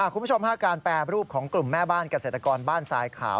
คุณผู้ชมการแปรรูปของกลุ่มแม่บ้านเกษตรกรบ้านทรายขาว